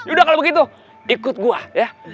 udah kalau begitu ikut gua ya